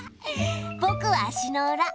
ぼくは足の裏。